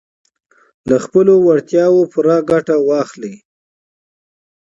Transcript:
له خپلو وړتیاوو پوره ګټه واخلئ.